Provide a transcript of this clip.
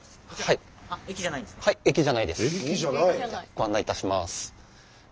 ご案内いたします。